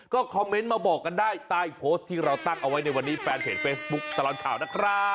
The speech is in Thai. ก็คอมเมนต์มาบอกกันได้ใต้โพสต์ที่เราตั้งเอาไว้ในวันนี้แฟนเพจเฟซบุ๊คตลอดข่าวนะครับ